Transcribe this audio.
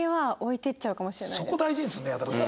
そこ大事にするねやたらと。